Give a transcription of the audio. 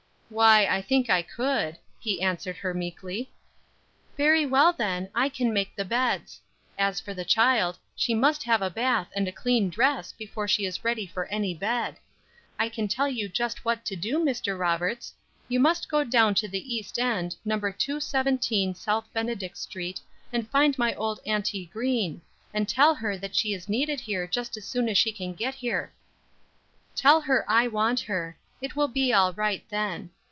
"Why, I think I could," he answered her meekly. "Very well, then, I can make the beds. As for the child, she must have a bath and a clean dress before she is ready for any bed. I can tell you just what to do, Mr. Roberts; you must go down to the east end, No. 217 South Benedict Street and find my old Auntie Green, and tell her that she is needed here just as soon as she can get here; tell her I want her; it will be all right then.